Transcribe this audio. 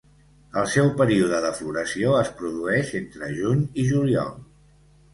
El seu període de floració es produeix entre juny i juliol.